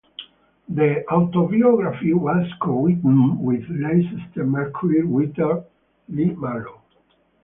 The autobiography was co-written with Leicester Mercury writer Lee Marlow.